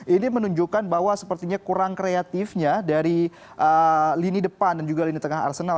ini menunjukkan bahwa sepertinya kurang kreatifnya dari lini depan dan juga lini tengah arsenal